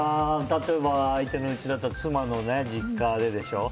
例えば相手のうちだったら妻の実家ででしょ。